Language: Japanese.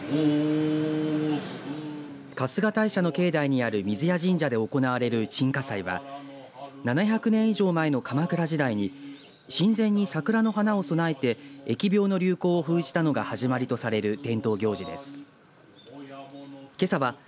春日大社の境内にある水谷神社で行われる鎮花祭は７００年以上前の鎌倉時代に神前に桜の花を供えて疫病の流行を封じたのが始まりとされる